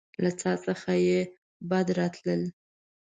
له څاه څخه يې بد راتلل.